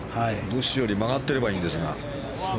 ブッシュより曲がっていればいいんですが。